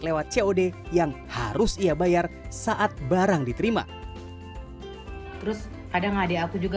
lewat cod yang harus ia bayar saat barang diterima terus kadang adik aku juga